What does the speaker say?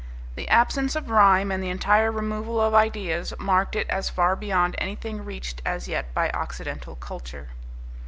The absence of rhyme and the entire removal of ideas marked it as far beyond anything reached as yet by Occidental culture.